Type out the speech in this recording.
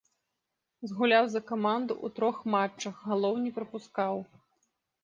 Згуляў за каманду ў трох матчах, галоў не прапускаў.